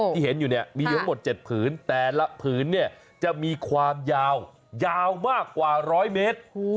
ที่เห็นอยู่เนี่ยมีอยู่ทั้งหมด๗ผืนแต่ละผืนเนี่ยจะมีความยาวยาวมากกว่า๑๐๐เมตร